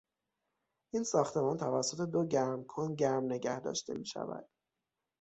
این ساختمان توسط دو گرمکن گرم نگهداشته میشود.